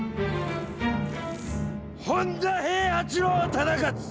本多平八郎忠勝！